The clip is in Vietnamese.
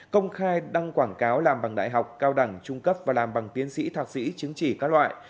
công khai đăng quảng cáo làm bằng đại học cao đẳng trung cấp và làm bằng tiến sĩ thạc sĩ chứng chỉ các loại